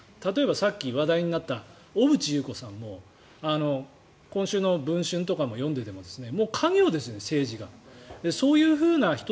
例えばさっき話題になった小渕優子さんも今週の「文春」とかを読んでいても家業じゃないですか。